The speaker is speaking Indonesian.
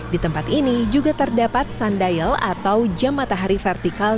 di tempat ini juga terdapat sundial atau jam matahari vertikal